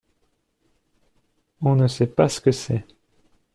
On ne sait pas ce que c’est !